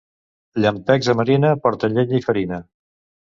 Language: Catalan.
Llampecs a marina porten llenya i farina.